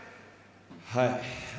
はい。